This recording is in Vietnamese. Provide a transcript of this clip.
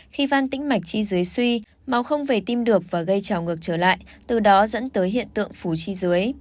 khi van tĩnh mạch chi dưới suy máu không về tim được và gây trào ngược trở lại từ đó dẫn tới hiện tượng phủ chi dưới